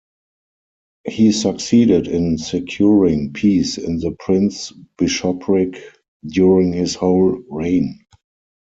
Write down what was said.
He succeeded in securing peace in the prince-bishopric during his whole reign.